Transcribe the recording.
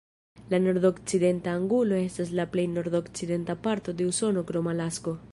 La Nordokcidenta Angulo estas la plej nordokcidenta parto de Usono krom Alasko.